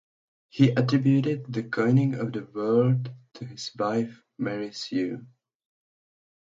He attributed the coining of the word to his wife Mary Sue.